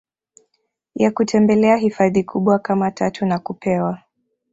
ya kutembelea hifadhi kubwa kama tatu nakupewa